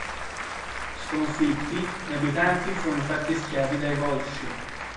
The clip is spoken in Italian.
Sconfitti, gli abitanti furono fatti schiavi dai Volsci.